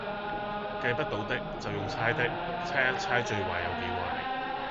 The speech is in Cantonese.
計不到的，就用猜的，猜一猜最壞有多壞